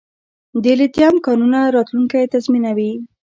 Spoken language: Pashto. د لیتیم کانونه راتلونکی تضمینوي